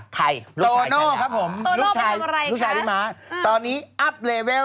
ช่ายลูกชายฉันแห่งฉันนะครับาทโตโน้ครับผมช่ายลูกชายพี่ม๊าตอนนี้เอิปเลเวล